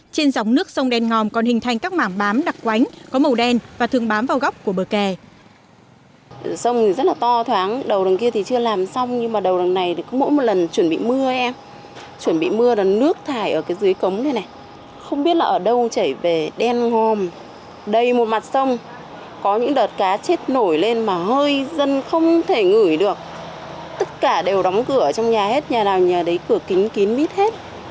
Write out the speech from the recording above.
trên dòng nước sông đen ngòm còn hình thành các mảng bám đặc quánh có màu đen và thường bám vào góc của bờ kè